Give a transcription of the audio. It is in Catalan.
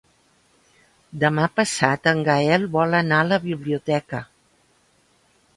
Demà passat en Gaël vol anar a la biblioteca.